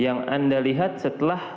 yang anda lihat setelah